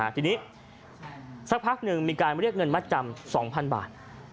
ทีนี้สักพักหนึ่งมีการเรียกเงินมัดจำ๒๐๐๐บาท